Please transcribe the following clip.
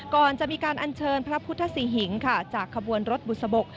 ก่อนจะมีการอัญเชิญพระพุทธศรีหิงค่ะจากขบวนรถบุษบก